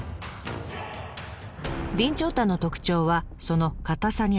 備長炭の特徴はその硬さにあります。